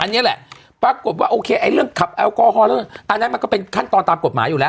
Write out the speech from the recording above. อันนี้แหละปรากฏว่าโอเคไอ้เรื่องขับแอลกอฮอลเรื่องอันนั้นมันก็เป็นขั้นตอนตามกฎหมายอยู่แล้ว